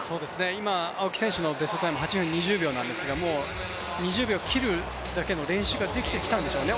今、青木選手のベストタイムは８分２０秒なんですが、もう２０秒切るだけの練習ができてきたんでしょうね。